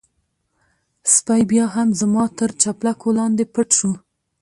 سپی بيا هم زما تر چپلکو لاندې پټ شو.